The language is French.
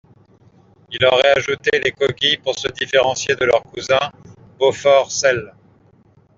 Ils auraient ajouté les coquilles pour se différencier de leurs cousins Beaufort-Celles.